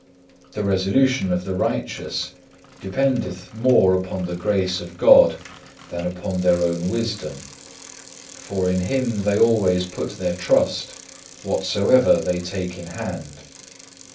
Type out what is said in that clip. The resolution of the righteous dependeth more upon the grace of God than upon their own wisdom; for in Him they always put their trust, whatsoever they take in hand.